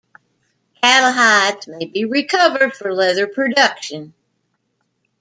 Cattle hides may be recovered for leather production.